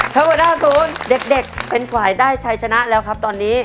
ถ้าเวอร์น่า๐เด็กเป็นขวายได้ชายชนะแล้วครับตอนนี้